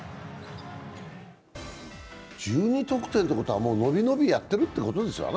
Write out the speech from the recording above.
１２得点ということは、のびのびやっているということですな？